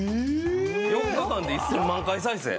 ４日間で１，０００万回再生。